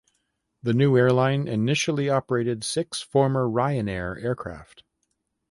The new airline initially operated six former Ryanair aircraft.